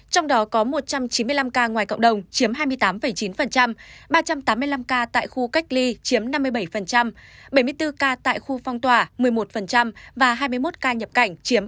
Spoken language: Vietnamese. trong đó có một trăm chín mươi năm ca ngoài cộng đồng chiếm hai mươi tám chín ba trăm tám mươi năm ca tại khu cách ly chiếm năm mươi bảy bảy mươi bốn ca tại khu phong tỏa một mươi một và hai mươi một ca nhập cảnh chiếm năm mươi